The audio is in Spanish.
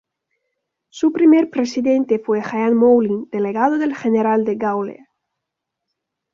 Su primer presidente fue Jean Moulin, delegado del General de Gaulle.